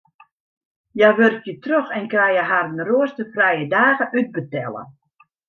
Hja wurkje troch en krije harren roasterfrije dagen útbetelle.